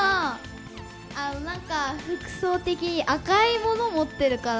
何か服装的に赤いもの持ってるから。